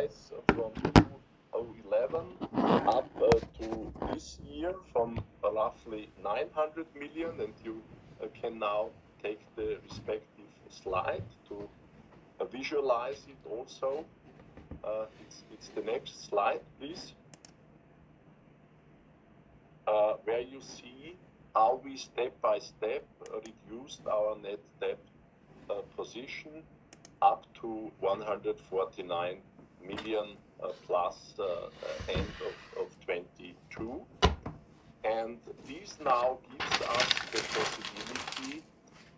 Stepwise from 2011 up to this year from roughly 900 million, you can now take the respective slide to visualize it also. It's the next slide, please. Where you see how we step-by-step reduced our net debt position up to 149 million+ end of 2022. This now gives us the possibility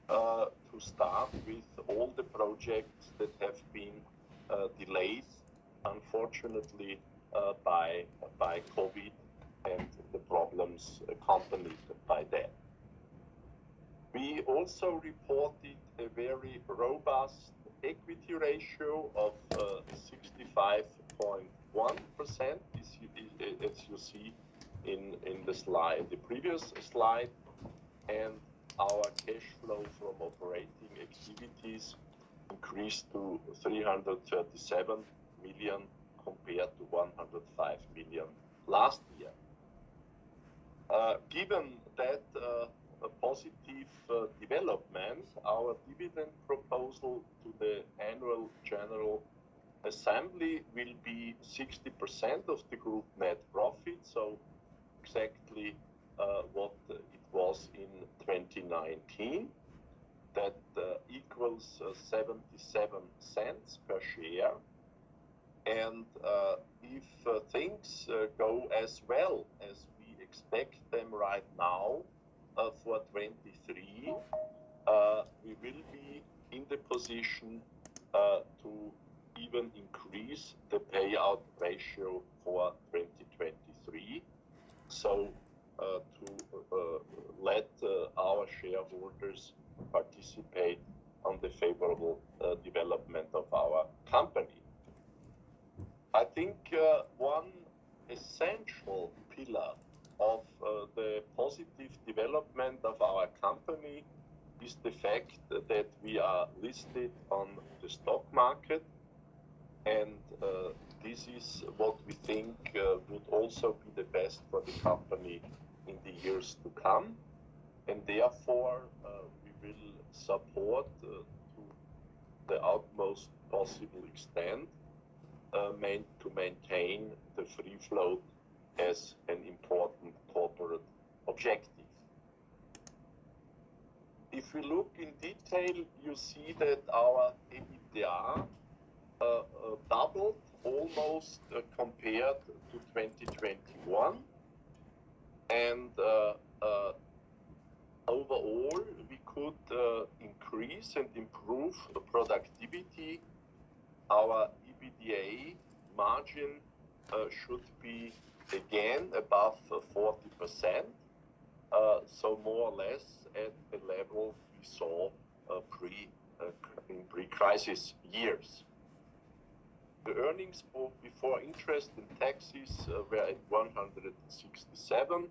to start with all the projects that have been delayed, unfortunately, by COVID and the problems accompanied by that. We also reported a very robust equity ratio of 65.1%, as you see in the slide, the previous slide. Our cash flow from operating activities increased to 337 million compared to 105 million last year. Given that positive development, our dividend proposal to the annual general assembly will be 60% of the group net profit, so exactly what it was in 2019. That equals 0.77 per share. If things go as well as we expect them right now for 2023, we will be in the position to even increase the payout ratio for 2023, so to let our shareholders participate on the favorable development of our company. I think one essential pillar of the positive development of our company is the fact that we are listed on the stock market. This is what we think would also be the best for the company in the years to come. We will support to the utmost possible extent to maintain the free float as an important corporate objective. If you look in detail, you see that our EBITDA doubled almost compared to 2021. Overall, we could increase and improve the productivity. Our EBITDA margin should be again above 40%, so more or less at the level we saw in pre-crisis years. The earnings before interest and taxes were at 167 million.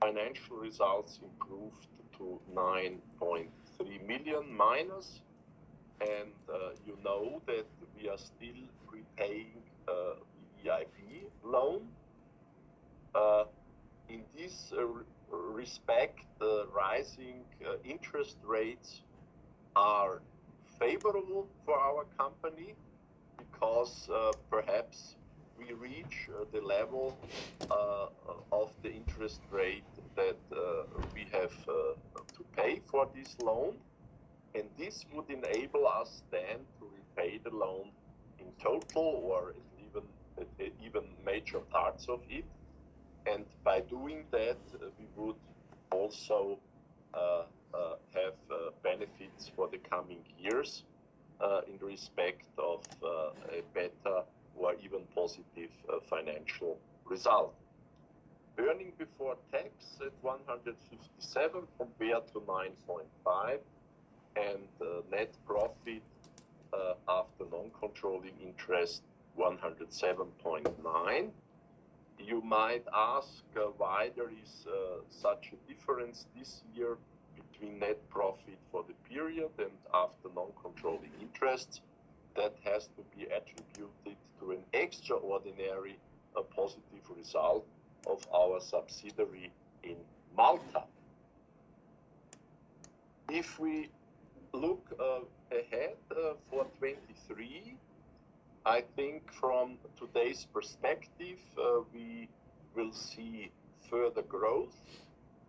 Financial results improved to -9.3 million. You know that we are still repaying EIB loan. In this respect, the rising interest rates are favorable for our company because perhaps we reach the level of the interest rate that we have to pay for this loan. This would enable us then to repay the loan in total or even major parts of it. By doing that, we would also have benefits for the coming years in respect of a better or even positive financial result. EBIT at 157 compared to 9.5, and the net profit, after non-controlling interest 107.9. You might ask why there is such a difference this year between net profit for the period and after non-controlling interest. That has to be attributed to an extraordinary, positive result of our subsidiary in Malta. If we look ahead for 2023, I think from today's perspective, we will see further growth,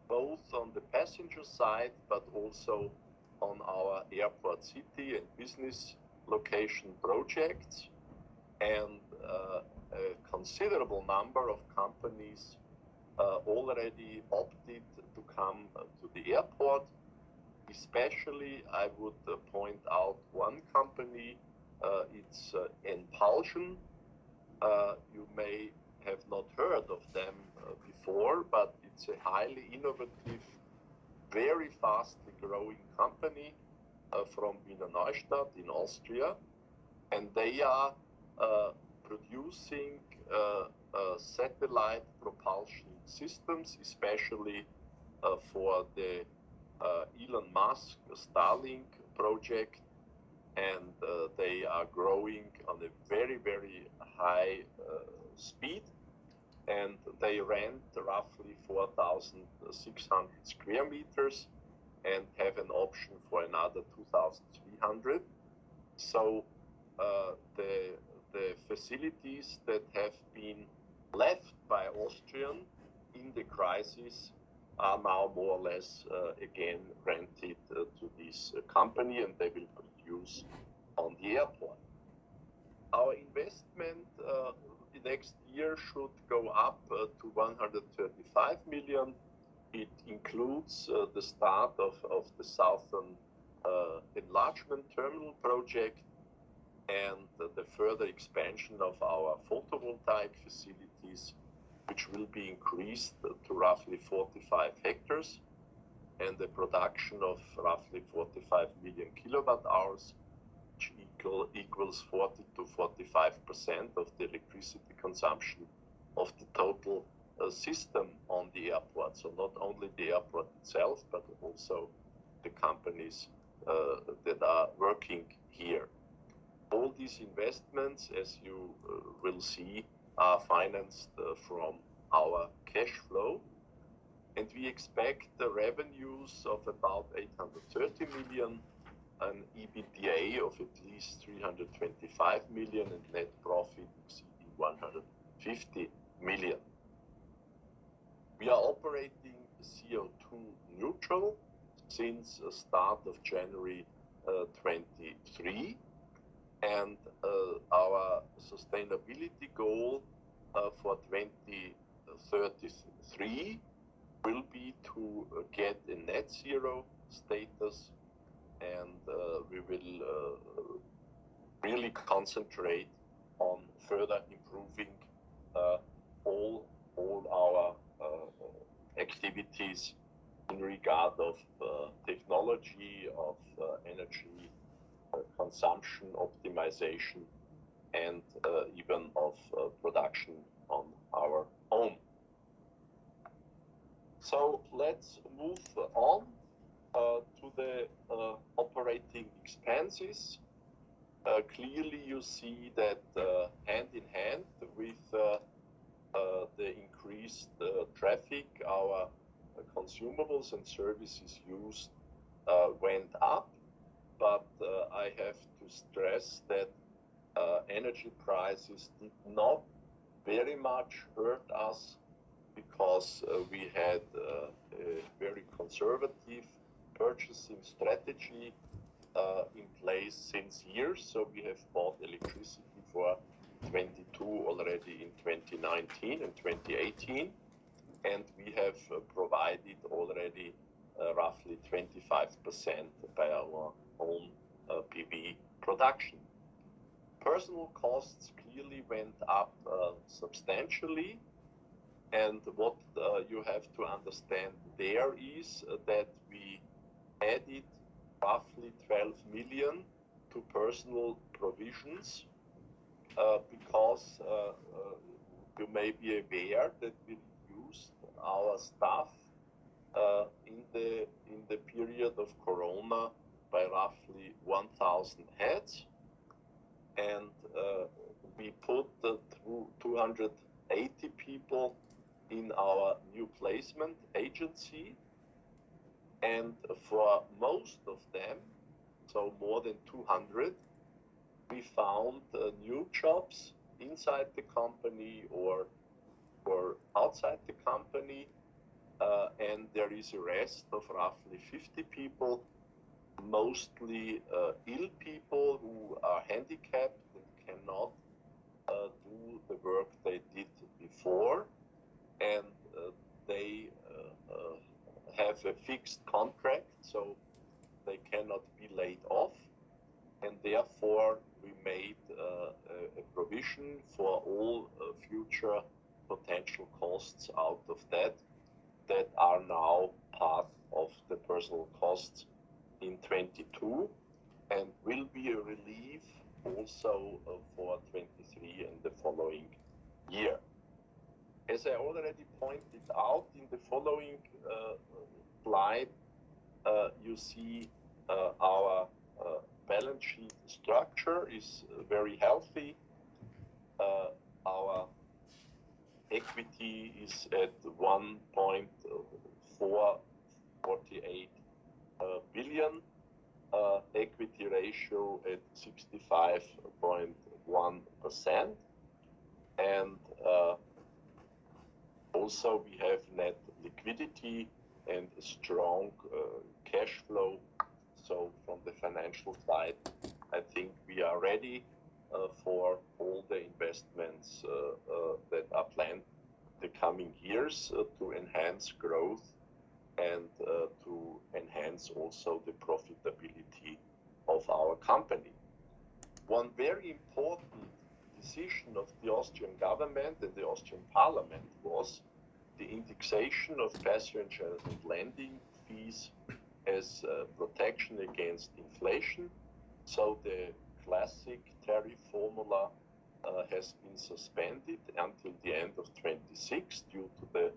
both on the passenger side, but also on our Airport City and business location projects. A considerable number of companies already opted to come to the airport. Especially, I would point out one company, it's Enpulsion. You may have not heard of them before, but it's a highly innovative, very fast growing company from Wiener Neustadt in Austria. They are producing satellite propulsion systems, especially for the Elon Musk's Starlink project, and they are growing on a very, very high speed, and they rent roughly 4,600 sq m and have an option for another 2,300. The facilities that have been left by Austrian Airlines in the crisis are now more or less again rented to this company, and they will produce on the airport. Our investment the next year should go up to 135 million. It includes the start of the Southern Enlargement terminal project and the further expansion of our photovoltaic facilities, which will be increased to roughly 45 hectares and the production of roughly 45 million kilowatt hours, which equals 40%-45% of the electricity consumption of the total system on the airport. Not only the airport itself, but also the companies that are working here. All these investments, as you will see, are financed from our cash flow, and we expect the revenues of about 830 million and EBITDA of at least 325 million and net profit exceeding 150 million. We are operating CO2 neutral since start of January 2023, and our sustainability goal for 2033 will be to get a Net Zero status, and we will really concentrate on further improving all our activities in regard of technology, of energy consumption, optimization, and even of production on our own. Let's move on to the operating expenses. Clearly you see that hand in hand with the increased traffic, our consumables and services used went up. I have to stress that energy prices did not very much hurt us because we had a very conservative purchasing strategy in place since years. We have bought electricity for 22 already in 2019 and 2018, and we have provided already, roughly 25% by our own PV production. Personnel costs clearly went up substantially, and what you have to understand there is that we added roughly 12 million to personnel provisions because you may be aware that we reduced our staff in the period of corona by roughly 1,000 heads. We put the 280 people in our new placement agency, and for most of them, so more than 200, we found new jobs inside the company or outside the company. There is a rest of roughly 50 people, mostly ill people who are handicapped and cannot do the work they did before. They have a fixed contract, so they cannot be laid off. Therefore, we made a provision for all future potential costs out of that that are now part of the personnel costs in 2022 and will be a relief also for 2023 and the following year. As I already pointed out in the following slide, you see our balance sheet structure is very healthy. Our equity is at 1.448 billion, equity ratio at 65.1%. Also we have net liquidity and strong cash flow. From the financial side, I think we are ready for all the investments that are planned the coming years to enhance growth and to enhance also the profitability of our company. One very important decision of the Austrian government and the Austrian parliament was the indexation of passenger and landing fees as protection against inflation. The classic tariff formula has been suspended until the end of 2026 due to the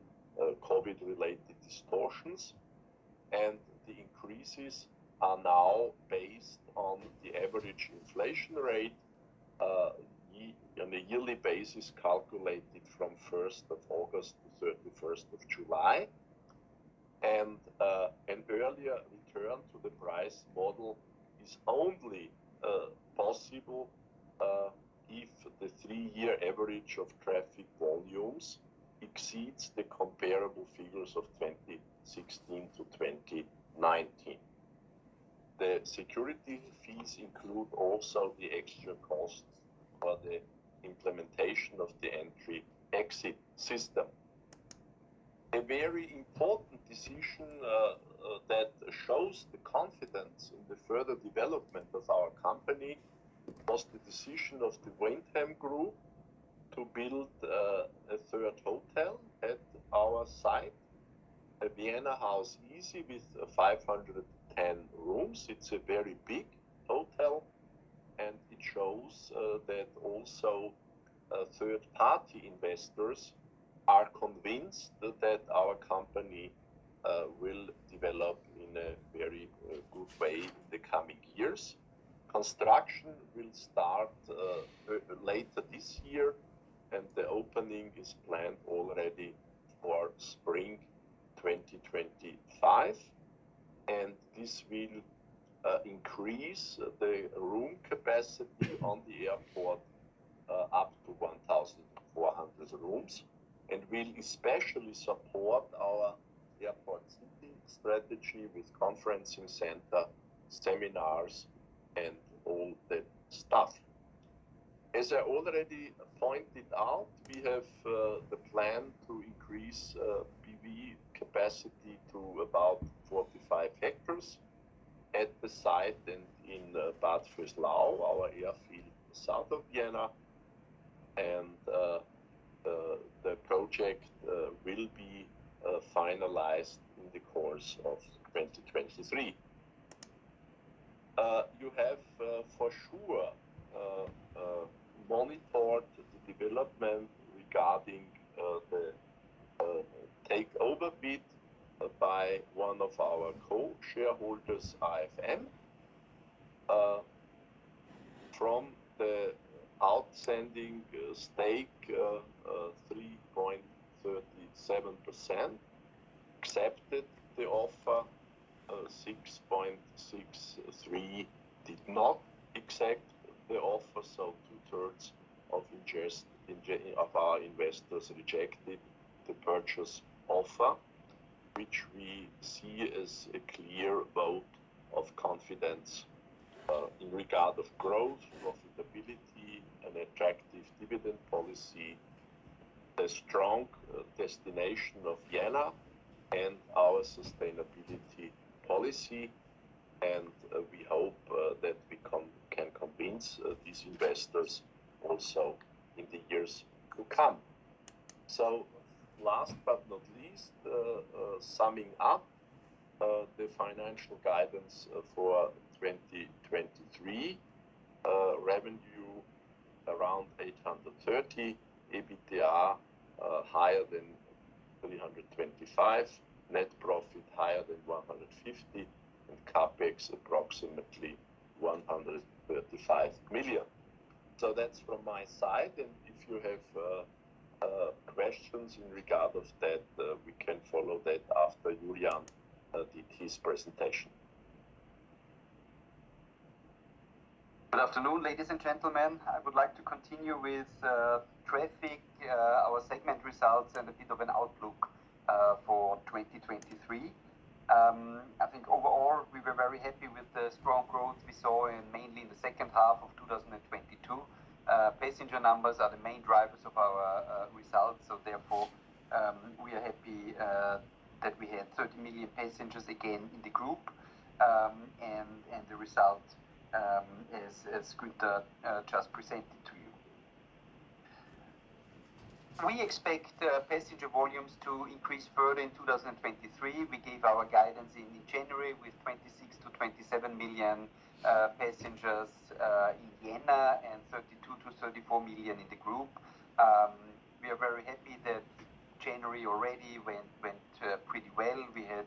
COVID-related distortions, and the increases are now based on the average inflation rate on a yearly basis, calculated from 1st of August to 31st of July. An earlier return to the price model is only possible if the three-year average of traffic volumes exceeds the comparable figures of 2016 to 2019. The security fees include also the extra costs for the implementation of the Entry-Exit System. A very important decision that shows the confidence in the further development of our company was the decision of the Mamma Group to build a third hotel at our site, a Vienna House Easy with 510 rooms. It's a very big hotel, and it shows that also third-party investors are convinced that our company will develop in a very good way in the coming years. Construction will start later this year, and the opening is planned already for spring 2025. This will increase the room capacity on the airport up to 1,400 rooms and will especially support our Airport City strategy with conferencing center, seminars, and all that stuff. As I already pointed out, we have the plan to increase PV capacity to about 45 hectares at the site and in the Bad Vöslau, our airfield south of Vienna. The project will be finalized in the course of 2023. You have for sure monitored the development regarding the takeover bid by one of our co-shareholders, IFM, from the outstanding stake, 3.37% accepted the offer, 6.63 did not accept the offer. 2/3 of our investors rejected the purchase offer, which we see as a clear vote of confidence in regard of growth, profitability, and attractive dividend policy, the strong destination of Vienna and our sustainability policy. We hope that we can convince these investors also in the years to come. Last but not least, summing up the financial guidance for 2023, revenue around 830 million, EBITDA higher than 325 million, net profit higher than 150 million, and CapEx approximately 135 million. That's from my side, and if you have questions in regard of that, we can follow that after Julian with his presentation. Good afternoon, ladies and gentlemen. I would like to continue with traffic, our segment results, and a bit of an outlook for 2023. I think overall, we were very happy with the strong growth we saw in mainly in the second half of 2022. Passenger numbers are the main drivers of our results, so therefore, we are happy that we had 30 million passengers again in the group. The result, as Gunther, just presented to you. We expect passenger volumes to increase further in 2023. We gave our guidance in January with 26 million-27 million passengers in Vienna and 32 million-34 million in the group. We are very happy that January already went pretty well. We had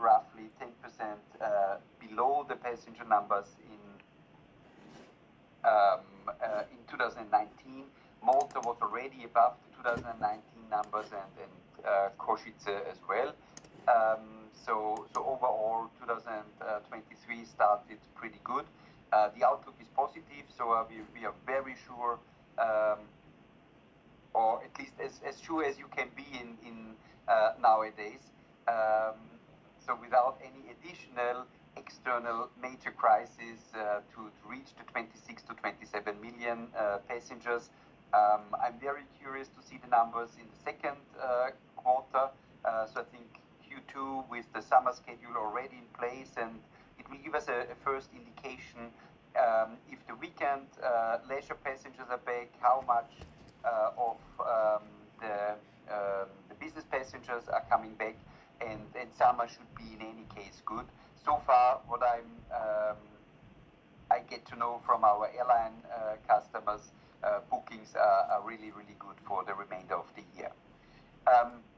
roughly 10% below the passenger numbers in 2019. Malta was already above the 2019 numbers and Košice as well. Overall, 2023 started pretty good. The outlook is positive, we are very sure, or at least as sure as you can be in nowadays, without any additional external major crisis, to reach the 26 million-27 million passengers. I'm very curious to see the numbers in the second quarter. I think Q2 with the summer schedule already in place, it will give us a first indication if the weekend leisure passengers are back, how much passengers are coming back and summer should be in any case good. So far, what I get to know from our airline customers, bookings are really, really good for the remainder of the year.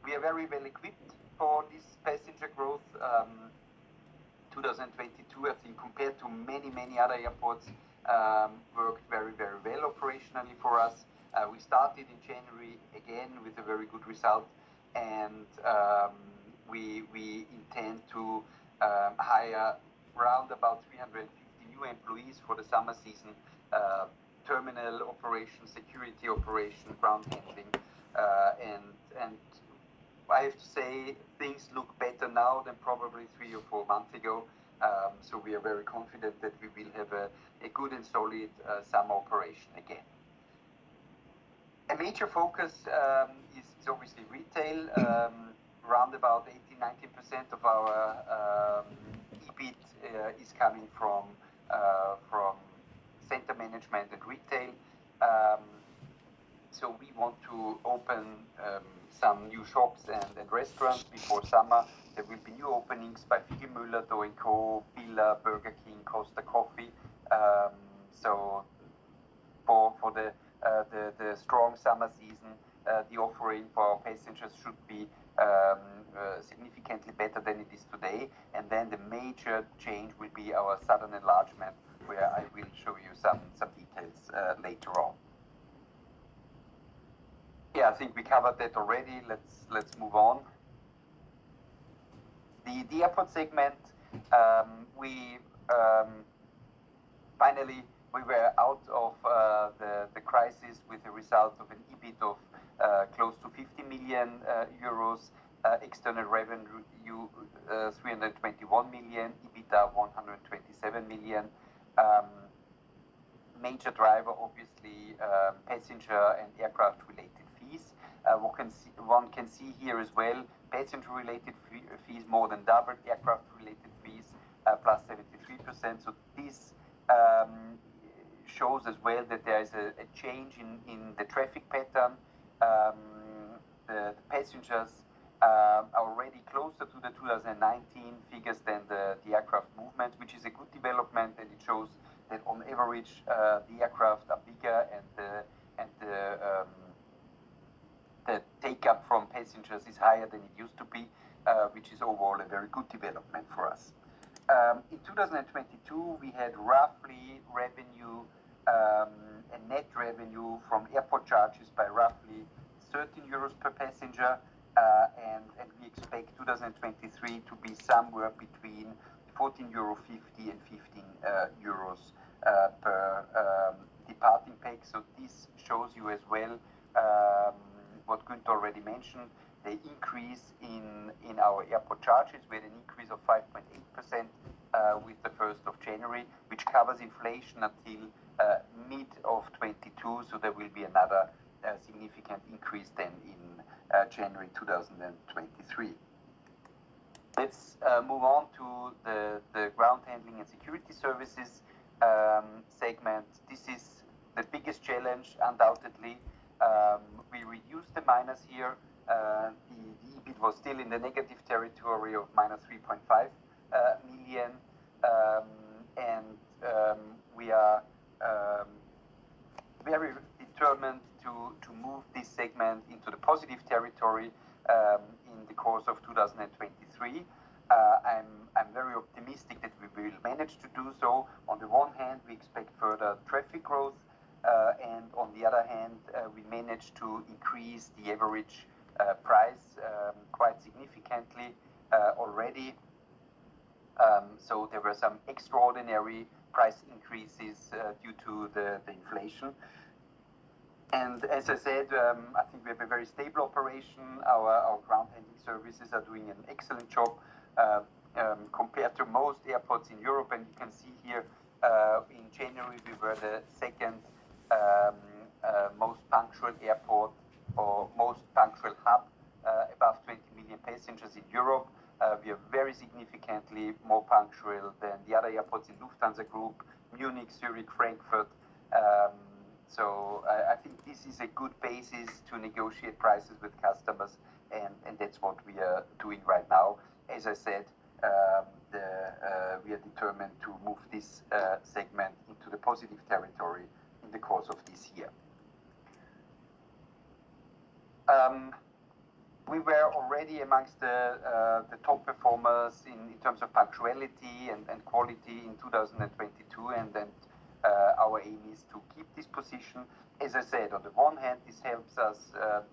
We are very well equipped for this passenger growth. 2022 I think compared to many other airports, worked very well operationally for us. We started in January again with a very good result and we intend to hire round about 350 new employees for the summer season, terminal operation, security operation, ground handling. I have to say things look better now than probably three or four months ago. We are very confident that we will have a good and solid summer operation again. A major focus is obviously retail. Round about 80%-90% of our EBIT is coming from center management and retail. We want to open some new shops and restaurants before summer. There will be new openings by Figlmüller, DO & CO, Billa, Burger King, Costa Coffee. For the strong summer season, the offering for our passengers should be significantly better than it is today. The major change will be our Southern Enlargement, where I will show you some details later on. Yeah, I think we covered that already. Let's move on. The airport segment. We finally were out of the crisis with a result of an EBIT of close to 50 million euros, external revenue 321 million, EBITDA 127 million. Major driver obviously passenger and aircraft related fees. One can see here as well, passenger related fees more than doubled, aircraft related fees +73%. This shows as well that there is a change in the traffic pattern. The passengers are already closer to the 2019 figures than the aircraft movement, which is a good development, and it shows that on average the aircraft are bigger and the take up from passengers is higher than it used to be, which is overall a very good development for us. In 2022, we had roughly revenue, a net revenue from airport charges by roughly 13 euros per passenger. We expect 2023 to be somewhere between 14.50 euro and 15 euros per departing pax. This shows you as well what Gunther already mentioned, the increase in our airport charges with an increase of 5.8% with the 1st of January, which covers inflation until mid of 2022. There will be another significant increase then in January 2023. Let's move on to the ground handling and security services segment. This is the biggest challenge undoubtedly. We reduced the minus here. The EBIT was still in the negative territory of -3.5 million. We are very determined to move this segment into the positive territory in the course of 2023. I'm very optimistic that we will manage to do so. On the one hand, we expect further traffic growth. On the other hand, we managed to increase the average price quite significantly already. There were some extraordinary price increases due to the inflation. As I said, I think we have a very stable operation. Our ground handling services are doing an excellent job compared to most airports in Europe. You can see here, in January, we were the second most punctual airport or most punctual hub above 20 million passengers in Europe. We are very significantly more punctual than the other airports in Lufthansa Group: Munich, Zurich, Frankfurt. I think this is a good basis to negotiate prices with customers and that's what we are doing right now. As I said, we are determined to move this segment into the positive territory in the course of this year. We were already amongst the top performers in terms of punctuality and quality in 2022. Our aim is to keep this position. As I said, on the one hand, this helps us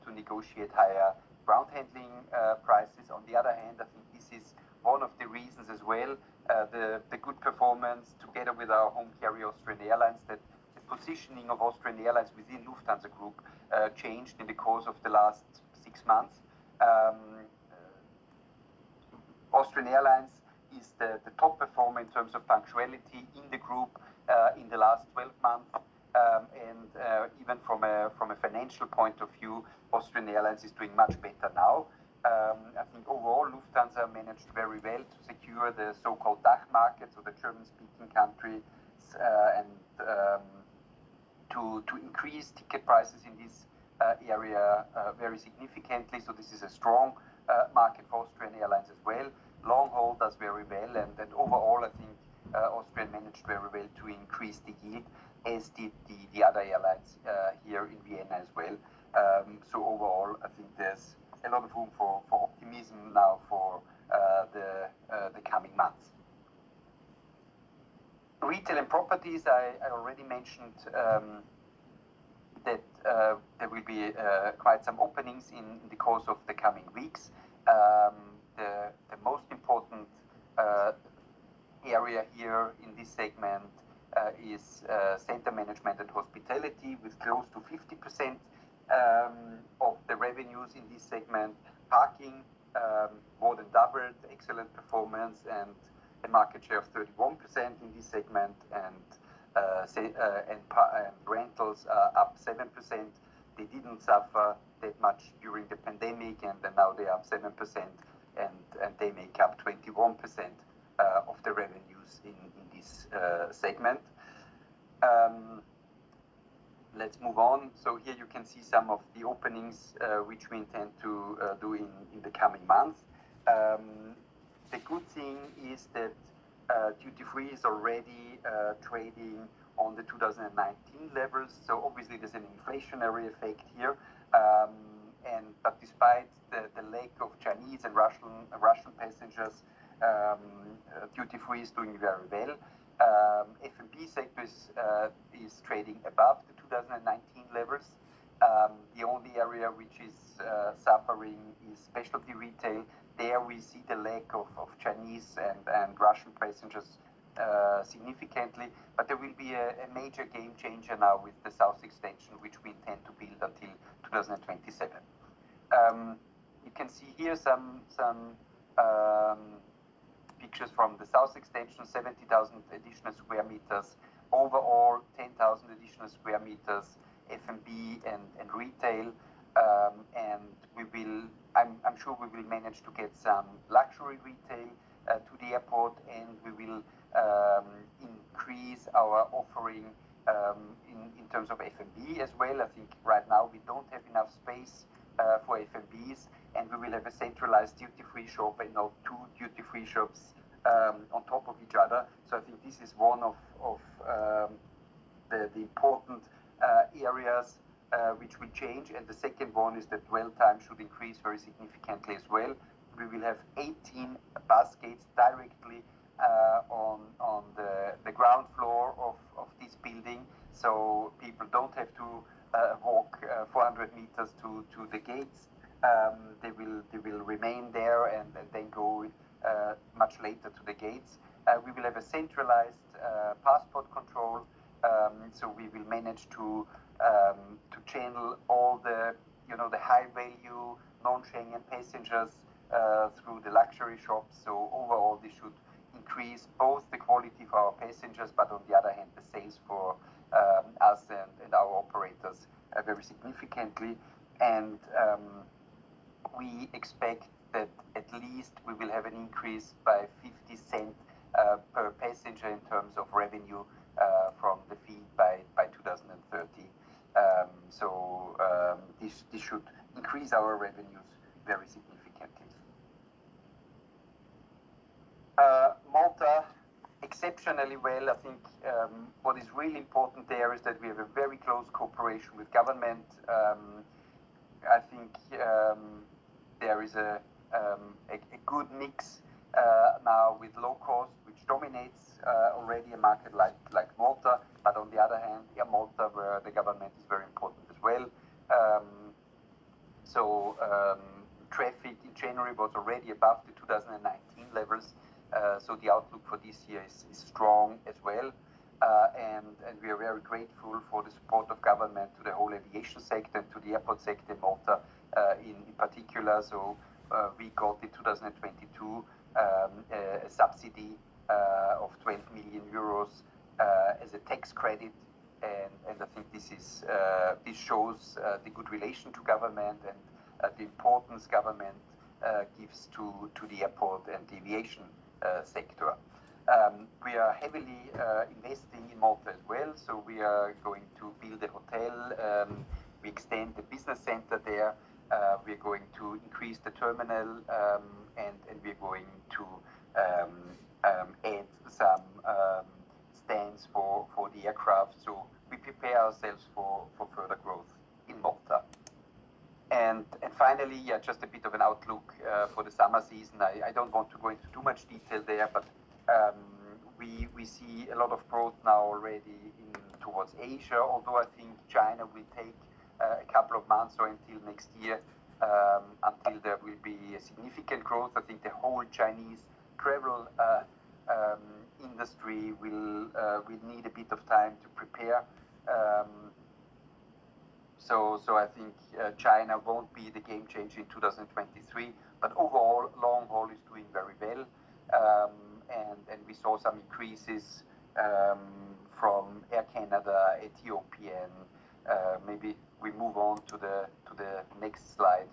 to negotiate higher ground handling prices. On the other hand, I think this is one of the reasons as well, the good performance together with our home carrier Austrian Airlines, that the positioning of Austrian Airlines within Lufthansa Group changed in the course of the last six months. Austrian Airlines is the top performer in terms of punctuality in the group in the last 12 months. Even from a financial point of view, Austrian Airlines is doing much better now. I think overall, Lufthansa managed very well to secure the so-called DACH market, so the German-speaking countries. To increase ticket prices in this area very significantly. This is a strong market for Austrian Airlines as well. Long-haul does very well, overall, I think Austrian managed very well to increase the yield, as did the other airlines here in Vienna as well. Overall, I think there's a lot of room for optimism now for the coming months. Retail and properties, I already mentioned that there will be quite some openings in the course of the coming weeks. The most important area here in this segment is center management and hospitality, with close to 50% of the revenues in this segment. Parking, more than doubled, excellent performance and a market share of 31% in this segment and rentals are up 7%. They didn't suffer that much during the pandemic, now they're up 7% and they make up 21% of the revenues in this segment. Let's move on. Here you can see some of the openings which we intend to do in the coming months. The good thing is that duty-free is already trading on the 2019 levels, so obviously there's an inflationary effect here. But despite the lack of Chinese and Russian passengers, duty-free is doing very well. F&B sector is trading above the 2019 levels. The only area which is suffering is specialty retail. There we see the lack of Chinese and Russian passengers significantly. There will be a major game changer now with the Southern Extension, which we intend to build until 2027. You can see here some pictures from the Southern Extension, 70,000 additional square meters. Overall, 10,000 additional square meters F&B and retail. I'm sure we will manage to get some luxury retail to the airport, and we will increase our offering in terms of F&B as well. I think right now we don't have enough space for F&Bs, and we will have a centralized duty-free shop and not two duty-free shops on top of each other. I think this is one of the important areas which will change. The second one is that dwell time should increase very significantly as well. We will have 18 bus gates directly on the ground floor of this building, so people don't have to walk 400 m to the gates. They will remain there and then they go much later to the gates. We will have a centralized passport control, so we will manage to channel all the, you know, the high-value non-Schengen passengers through the luxury shops. Overall, this should increase both the quality for our passengers, but on the other hand, the sales for us and our operators very significantly. We expect that at least we will have an increase by 0.50 per passenger in terms of revenue from the fee by 2030. So, this should increase our revenues very significantly. Malta, exceptionally well. I think, what is really important there is that we have a very close cooperation with government. I think, there is a good mix now with low cost, which dominates already a market like Malta. On the other hand, yeah, Malta, where the government is very important as well. Traffic in January was already above the 2019 levels, so the outlook for this year is strong as well. And we are very grateful for the support of government to the whole aviation sector and to the airport sector in Malta, in particular. We got in 2022 a subsidy of 20 million euros as a tax credit. I think this is, this shows the good relation to government and the importance government gives to the airport and the aviation sector. We are heavily investing in Malta as well, so we are going to build a hotel. We extend the business center there. We're going to increase the terminal and we're going to add some stands for the aircraft. We prepare ourselves for further growth in Malta. Finally, yeah, just a bit of an outlook for the summer season. I don't want to go into too much detail there, but we see a lot of growth now already in towards Asia. Although I think China will take a couple of months or until next year until there will be a significant growth. I think the whole Chinese travel industry will need a bit of time to prepare. I think China won't be the game changer in 2023. Overall, long-haul is doing very well. We saw some increases from Air Canada, Ethiopian. Maybe we move on to the next slide.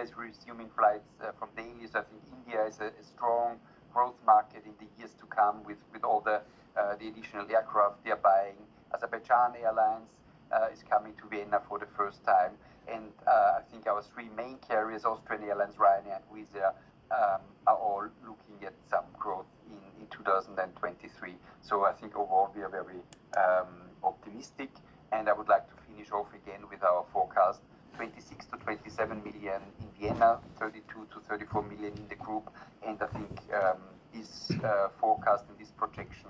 As we're resuming flights from India. I think India is a strong growth market in the years to come with all the additional aircraft they are buying. Azerbaijan Airlines is coming to Vienna for the first time. I think our three main carriers, Austrian Airlines, Ryanair, Wizz Air, are all looking at some growth in 2023. I think overall we are very optimistic, and I would like to finish off again with our forecast, 26 million-27 million in Vienna, 32 million-34 million in the group. I think this forecast and this projection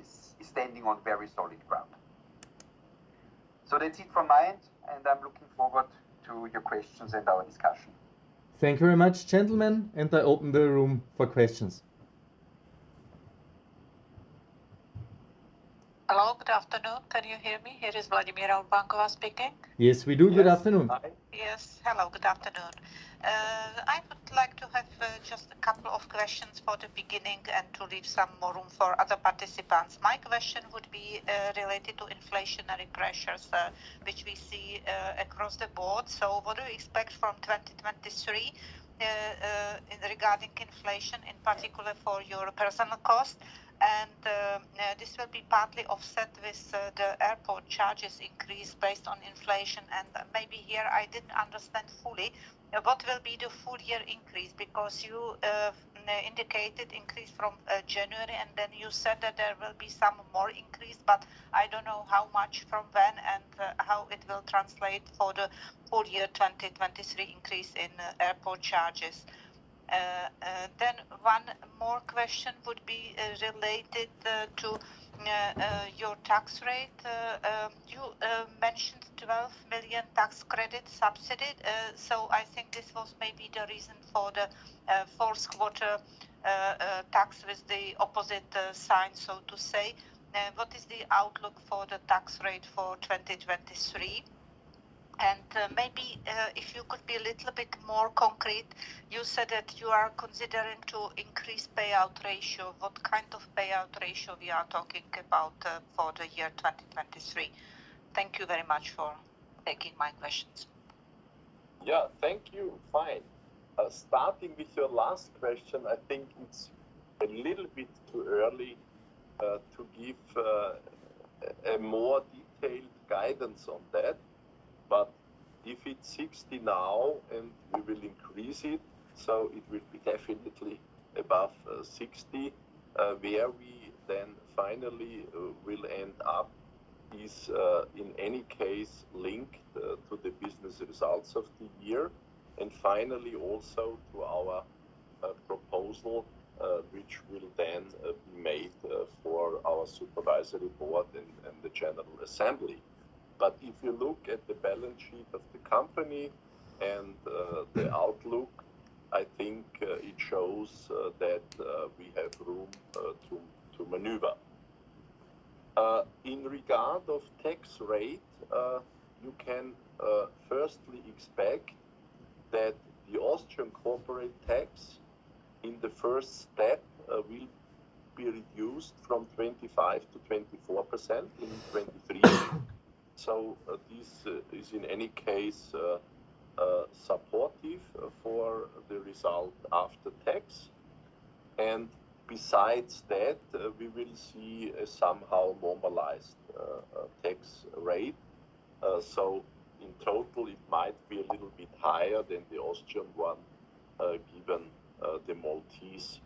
is standing on very solid ground. That's it from my end, and I'm looking forward to your questions and our discussion. Thank you very much, gentlemen, and I open the room for questions. Hello, good afternoon. Can you hear me? Here is Vladimíra Urbánková speaking. Yes, we do. Good afternoon. Yes. Hi. Yes. Hello, good afternoon. I would like to have just a couple of questions for the beginning and to leave some more room for other participants. My question would be related to inflationary pressures, which we see across the board. What do you expect from 2023 regarding inflation, in particular for your personnel cost? This will be partly offset with the airport charges increase based on inflation. Maybe here I didn't understand fully, what will be the full year increase? Because you indicated increase from January, you said that there will be some more increase, but I don't know how much from when and how it will translate for the full year 2023 increase in airport charges. Then one more question would be related to your tax rate. You mentioned 12 million tax credit subsidy. I think this was maybe the reason for the fourth quarter tax with the opposite sign, so to say. What is the outlook for the tax rate for 2023? Maybe, if you could be a little bit more concrete, you said that you are considering to increase payout ratio. What kind of payout ratio we are talking about for the year 2023? Thank you very much for taking my questions. Yeah. Thank you. Fine. Starting with your last question, I think it's a little bit too early to give a more detailed guidance on that. If it's 60 now and we will increase it, so it will be definitely above 60, where we then finally will end up is in any case linked to the business results of the year, and finally also to our proposal which will then be made for our supervisory board and the general assembly. If you look at the balance sheet of the company and the outlook, I think it shows that we have room to maneuver. In regard of tax rate, you can firstly expect that the Austrian corporate tax in the first step will be reduced from 25 to 24% in 2023. This is in any case supportive for the result after tax. Besides that, we will see a somehow normalized tax rate. In total it might be a little bit higher than the Austrian one, given the Maltese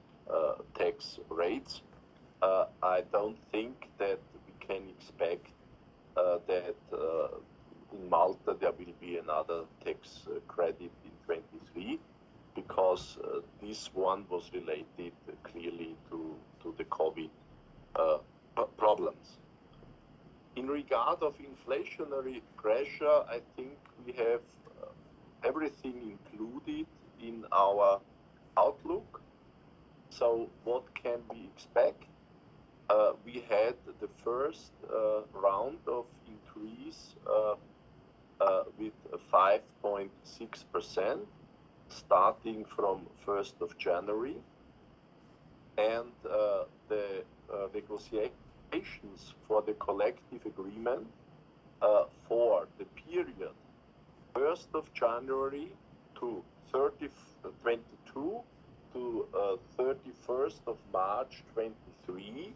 tax rates. I don't think that we can expect that in Malta there will be another tax credit in 2023 because this one was related clearly to the COVID problems. In regard of inflationary pressure, I think we have everything included in our outlook. What can we expect? We had the 1st round of increase with 5.6% starting from 1st of January. The negotiations for the collective agreement for the period 1st of January 2022 to 31st of March 2023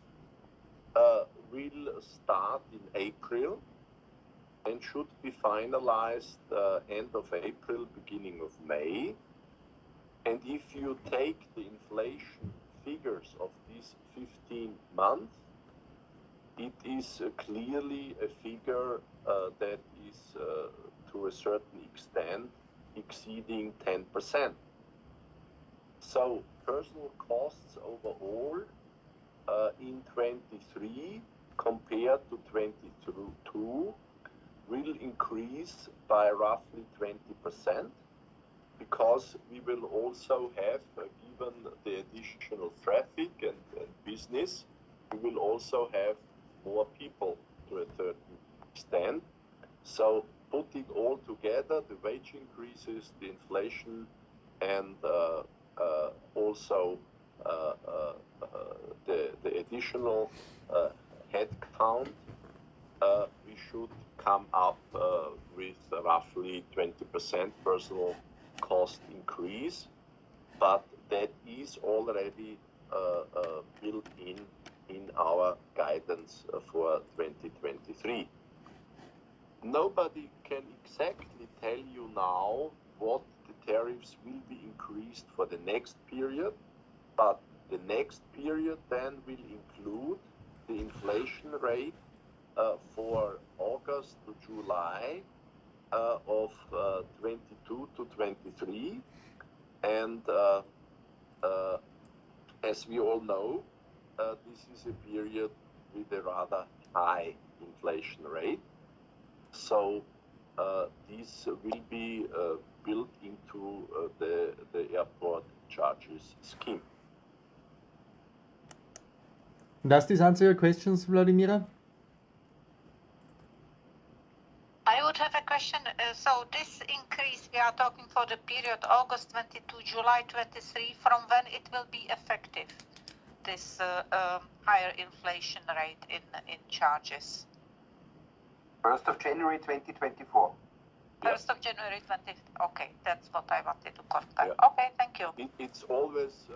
will start in April and should be finalized end of April, beginning of May. If you take the inflation figures of these 15 months, it is clearly a figure that is to a certain extent exceeding 10%. Personal costs overall in 2023 compared to 2022 will increase by roughly 20% because we will also have, given the additional traffic and business, we will also have more people to a certain extent. Putting all together, the wage increases, the inflation, and also Additional headcount, we should come up with roughly 20% personal cost increase, but that is already built in our guidance for 2023. Nobody can exactly tell you now what the tariffs will be increased for the next period, but the next period then will include the inflation rate for August to July of 2022 to 2023. As we all know, this is a period with a rather high inflation rate. This will be built into the airport charges scheme. Does this answer your questions, Vladimíra? I would have a question. This increase we are talking for the period August 2022, July 2023, from when it will be effective, this higher inflation rate in charges? First of January 2024. Okay, that's what I wanted to confirm. Yeah. Okay, thank you. It's always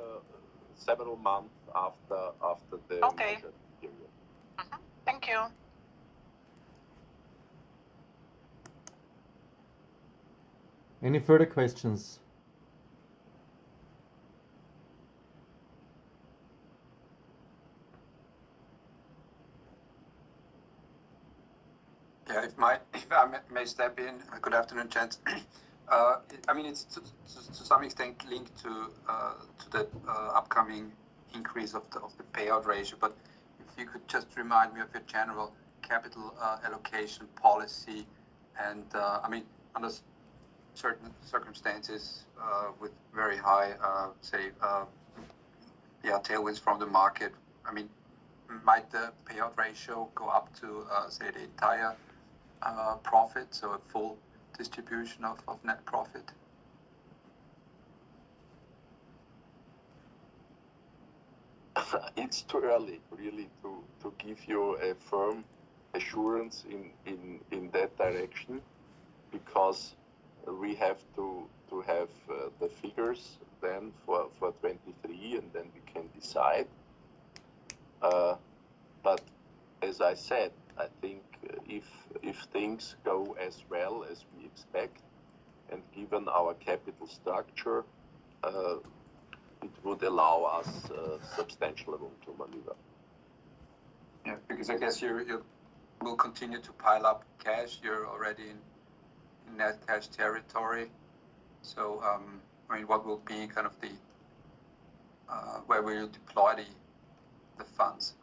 several months after. Okay.... measured period. Mm-hmm. Thank you. Any further questions? If I may step in. Good afternoon, gents. I mean, it's to some extent linked to the upcoming increase of the payout ratio, but if you could just remind me of your general capital allocation policy and, I mean, under certain circumstances, with very high, say, yeah, tailwinds from the market, I mean, might the payout ratio go up to say the entire profit, so a full distribution of net profit? It's too early really to give you a firm assurance in that direction because we have to have the figures then for 2023, and then we can decide. As I said, I think if things go as well as we expect and given our capital structure, it would allow us substantial room to maneuver. Yeah. I guess you're, you will continue to pile up cash. You're already in net cash territory. I mean, what will be kind of the, where will you deploy the funds?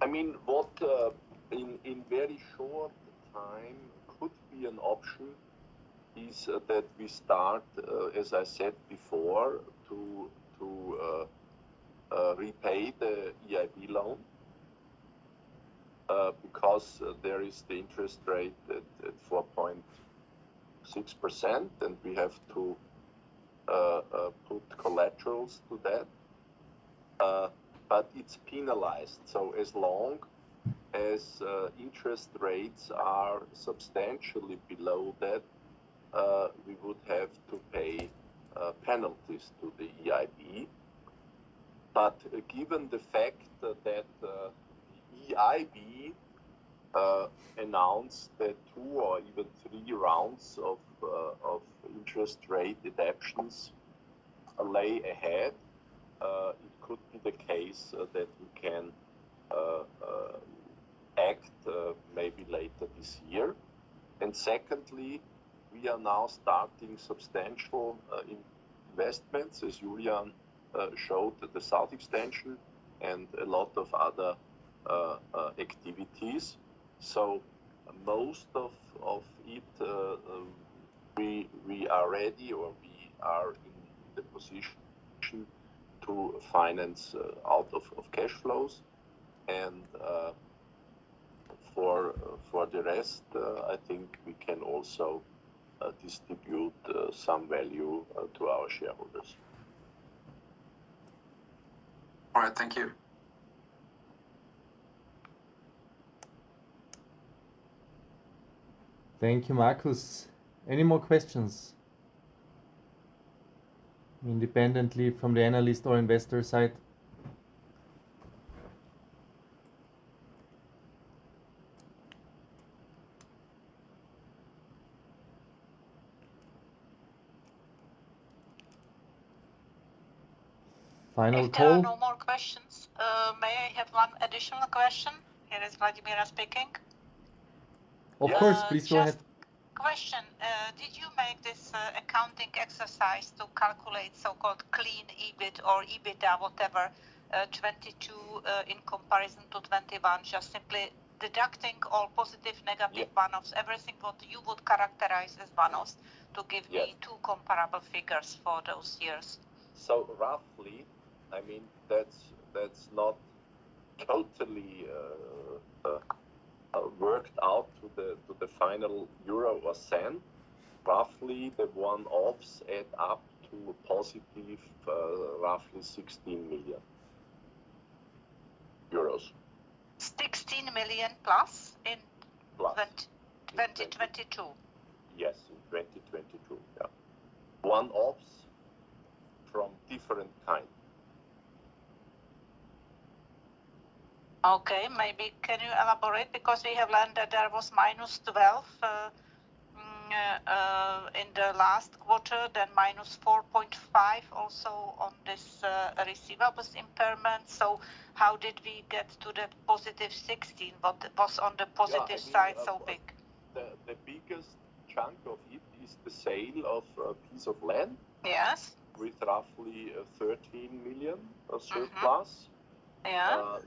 I mean, what in very short time could be an option is that we start, as I said before, to repay the EIB loan, because there is the interest rate at 4.6%, and we have to put collaterals to that. It's penalized, so as long as interest rates are substantially below that, we would have to pay penalties to the EIB. Given the fact that EIB announced that two or even three rounds of interest rate reductions lay ahead, it could be the case that we can act maybe later this year. Secondly, we are now starting substantial investments, as Julian showed the South Extension and a lot of other activities. Most of it, we are ready or we are in the position to finance out of cash flows. For the rest, I think we can also distribute some value to our shareholders. All right. Thank you. Thank you, Marcus. Any more questions independently from the analyst or investor side? Final call. If there are no more questions, may I have one additional question? Here is Vladimíra speaking. Of course, please go ahead. Just question, did you make this accounting exercise to calculate so-called clean EBIT or EBITDA, whatever, 22, in comparison to 21, just simply deducting all positive, negative-? Yeah.... one-offs, everything what you would characterize as one-offs to give me- Yeah... two comparable figures for those years? I mean, that's not totally worked out to the final euro was sent, roughly the one-offs add up to a positive, roughly 16 million euros. 16 million+. Plus. .In 2022? Yes, in 2022. Yeah. One-offs from different time. Okay. Maybe can you elaborate? We have learned that there was -12 EUR in the last quarter, then -4.5 EUR also on this receivables impairment. How did we get to the positive 16 EUR? What was on the positive side so big? The biggest chunk of it is the sale of a piece of land. Yes. With roughly 13 million or so. Uh-huh. ...plus. Yeah.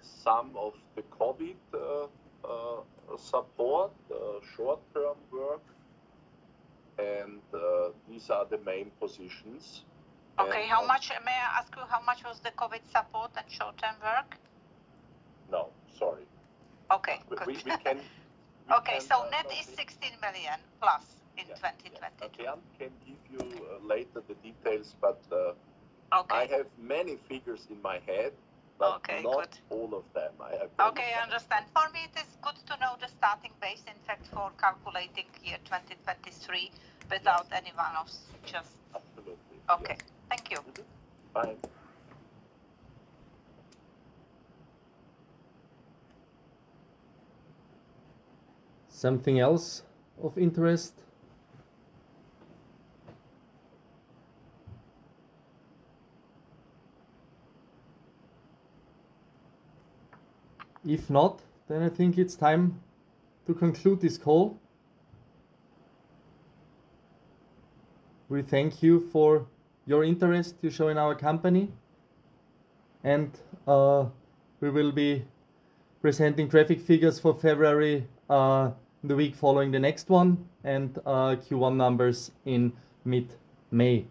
Some of the COVID support short-term work and these are the main positions. Okay. May I ask you how much was the COVID support and short-term work? No, sorry. Okay, good. We can. Okay. Net is 16 million+ in 2022. I can give you later the details. Okay ...I have many figures in my head, but... Okay, good. not all of them. I agree. Okay, I understand. For me, it is good to know the starting base, in fact, for calculating year 2023 without any one-offs. Absolutely. Okay. Thank you. Bye. Something else of interest? If not, I think it's time to conclude this call. We thank you for your interest you show in our company. We will be presenting traffic figures for February, the week following the next one and Q1 numbers in mid-May.